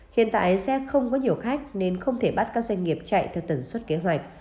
hiện tại xe không có nhiều khách nên không thể bắt các doanh nghiệp chạy theo tần suất kế hoạch